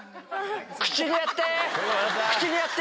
口にやって！